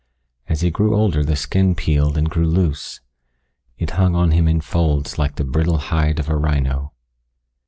As he grew older the skin peeled and grew loose. It hung on him in folds like the brittle hide of a rhino.